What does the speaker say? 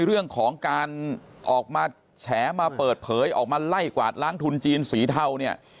เรื่องของการออกมาแฉมาเปิดเผยออกมาไล่กวาดล้างทุนจีนสีเทาเนี่ย